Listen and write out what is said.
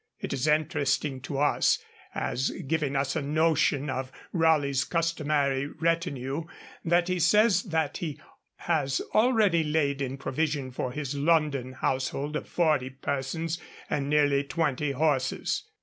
It is interesting to us, as giving us a notion of Raleigh's customary retinue, that he says he has already laid in provision for his London household of forty persons and nearly twenty horses.